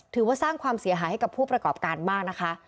ถือว่าสร้างความเสียหายให้กับผู้ประกอบการมากนะคะ